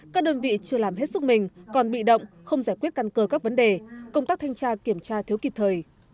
các đơn vị chưa làm hết sức mình còn bị động không giải quyết căn cơ các vấn đề công tác thanh tra kiểm tra thiếu kịp thời